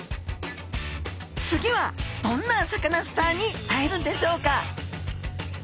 次はどんなサカナスターに会えるんでしょうか。